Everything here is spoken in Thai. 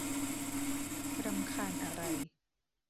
รำคาญอะไร